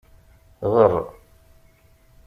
Ɣeṛ!